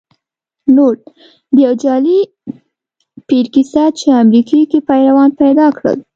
نوټ: د یو جعلې پیر کیسه چې امریکې کې پیروان پیدا کړل